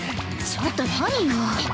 ちょっと何よ？